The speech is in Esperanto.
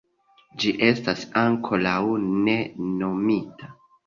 Ĝi estas ankoraŭ ne nomita.